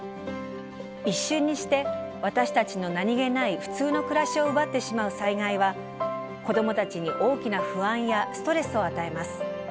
一瞬にして私たちの「何気ない普通の暮らし」を奪ってしまう災害は子どもたちに大きな不安やストレスを与えます。